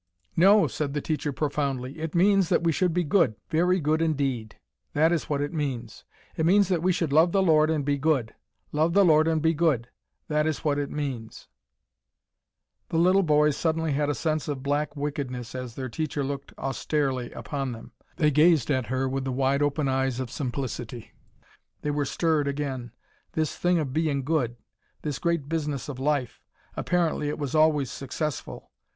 "No," said the teacher, profoundly; "it means that we should be good, very good indeed. That is what it means. It means that we should love the Lord and be good. Love the Lord and be good. That is what it means." [Illustration: "THE PROFESSIONAL BRIGHT BOY OF THE CLASS SUDDENLY AWOKE"] The little boys suddenly had a sense of black wickedness as their teacher looked austerely upon them. They gazed at her with the wide open eyes of simplicity. They were stirred again. This thing of being good this great business of life apparently it was always successful.